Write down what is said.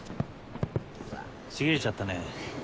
ちぎれちゃったね。